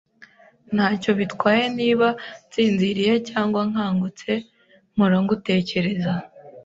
Ntacyo bitwaye niba nsinziriye cyangwa nkangutse, mpora ngutekereza.